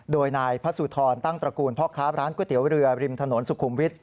โดยนายพระสุธรตั้งตระกูลพ่อค้าร้านก๋วยเตี๋ยวเรือริมถนนสุขุมวิทย